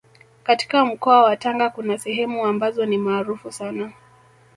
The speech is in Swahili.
Katika mkoa wa Tanga kuna sehemu ambazo ni maarufu sana